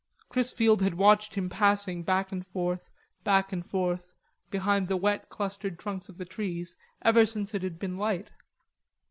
Chrisfield had watched him passing back and forth, back and forth, behind the wet clustered trunks of the trees, ever since it had been light.